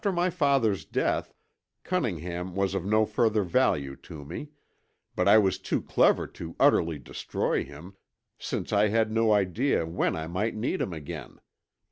"After my father's death Cunningham was of no further value to me, but I was too clever to utterly destroy him, since I had no idea when I might need him again.